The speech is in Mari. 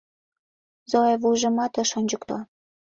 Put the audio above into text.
Зоя вуйжымат ыш ончыкто.